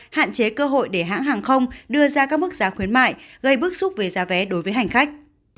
hạn chế cơ hội để hãng hàng không đưa ra các mức giá khuyến mại gây bức xúc về giá vé đối với hành khách